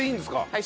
はい。